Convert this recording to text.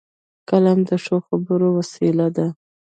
قلم د ښو خبرو وسیله ده